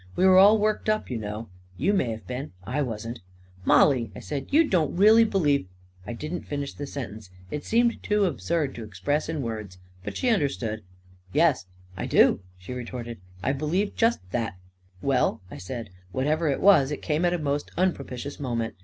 We were all worked up, you know." 41 You may have been — I wasn't." 11 Mollie," I said, " you don't really believe ..." I didn't finish the sentence — it seemed too absurd to express in words. But she understood. " Yes, I do 1 " she retorted. " I believe just thatl" " Well," I said, " whatever it was, it came at a most unpropitious moment.